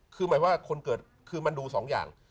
คือหมายว่าคนเกิดคือมันดูสองอย่าง